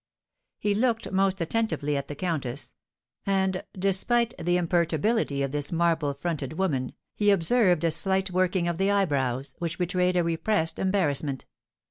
He looked most attentively at the countess; and, despite the imperturbability of this marble fronted woman, he observed a slight working of the eyebrows, which betrayed a repressed embarrassment.